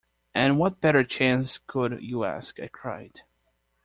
“And what better chance could you ask?” I cried.